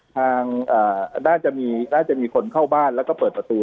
ทางอ่าน่าจะมีน่าจะมีคนเข้าบ้านแล้วก็เปิดประตู